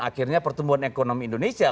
akhirnya pertumbuhan ekonomi indonesia